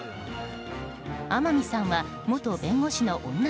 天海さんは元弁護士の女